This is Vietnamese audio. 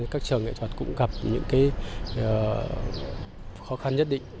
các trường nghệ thuật cũng gặp những khó khăn nhất định